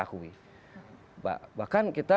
akui bahkan kita